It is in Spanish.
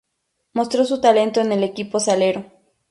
Mostró su talento en el equipo Salero.